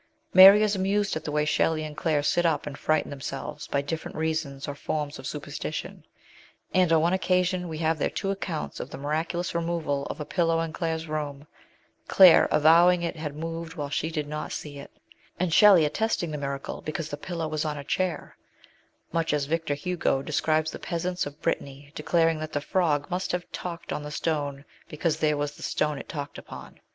Mary is amused at the way Shelley and Claire sit up and " frighten themselves " by different reasons or forms of superstition, and on one occasion we have their two accounts of the miraculous removal of a pillow in Claire's room, Claire avowing it had moved LIFE IN ENGLAND. 79 while she did not see it ; and Shelley attesting the miracle because the pillow was on a chair, much as Victor Hugo describes the peasants of Brittany declaring that "the frog must have talked on the stone because there was the stone it talked upon."